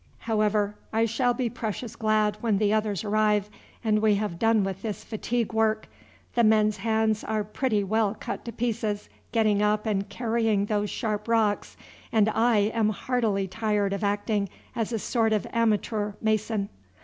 However, I shall be precious glad when the others arrive, and we have done with this fatigue work. The men's hands are pretty well cut to pieces getting up and carrying those sharp rocks, and I am heartily tired of acting as a sort of amateur mason."